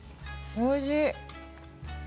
おいしい。